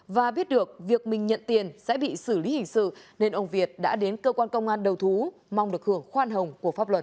và biết được việc mình nhận tiền sẽ bị xử lý hình sự nên ông việt đã đến cơ quan công an đầu thú mong được hưởng khoan hồng của pháp luật